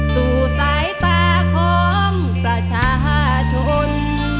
สู่สายตาของประชาชน